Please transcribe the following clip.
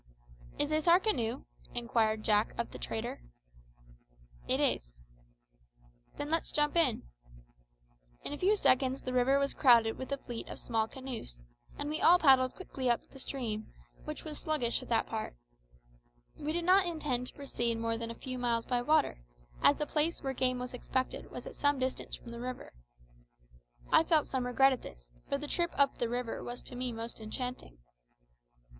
"Is this our canoe?" inquired Jack of the trader. "It is." "Then let's jump in." In a few seconds the river was crowded with a fleet of small canoes, and we all paddled quickly up the stream, which was sluggish at that part. We did not intend to proceed more than a few miles by water, as the place where game was expected was at some distance from the river. I felt some regret at this, for the trip up the river was to me most enchanting.